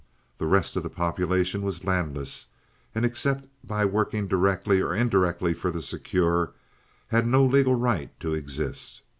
The rest of the population was landless and, except by working directly or indirectly for the Secure, had no legal right to exist.